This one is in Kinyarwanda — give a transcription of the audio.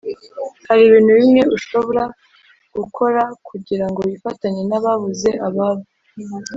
hari ibintu bimwe ushobra gukora kugira ngo wifatanye n’ababuze ababo